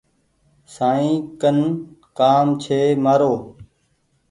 سائين ڪن ڪآم ڇي مآرو ۔